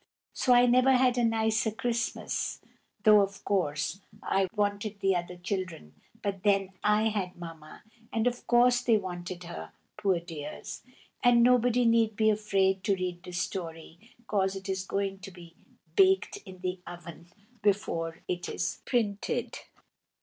So I never had a nicer Christmas, though, of course, I wanted the other children; but then, I had Mamma, and of course they wanted her, poor dears! And nobody need be afraid to read this story, 'cause it is going to be baked in the oven before it is printed.